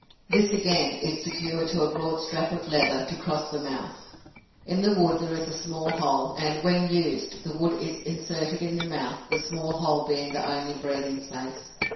This again, is secured to a broad strap of leather to cross the mouth. In the wood there is a small hole, and, when used, the wood is inserted in the mouth, the small hole being the only breathing space.